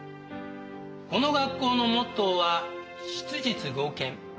この学校のモットーは質実剛健。